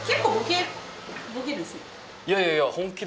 いやいやいや本気ですよ